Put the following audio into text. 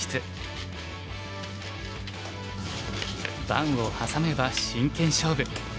盤を挟めば真剣勝負。